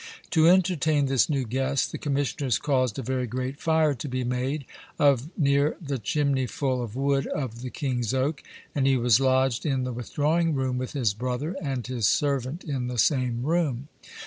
To entertain this new guest the Commissioners caused a very great fire to be made, of neer the chimneyfull of wood of the King's Oak, and he was lodged in the withdrawing room with his brother, and his servant in the same room.